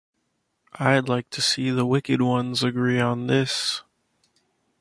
I’d like to see the wicked ones agree on this.